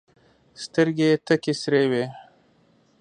سترګي یې تکي سرې وې !